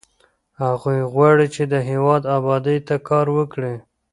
هغوی غواړي چې د هېواد ابادۍ ته کار وکړي.